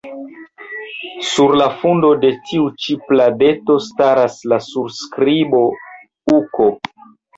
Sur la fundo de tiu ĉi pladeto staras la surskribo « U. K. »